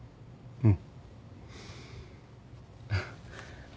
うん。